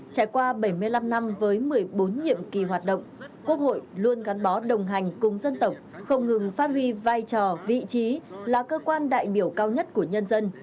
trải qua bảy mươi năm năm với một mươi bốn nhiệm kỳ hoạt động quốc hội luôn gắn bó đồng hành cùng dân tộc không ngừng phát huy vai trò vị trí là cơ quan đại biểu cao nhất của nhân dân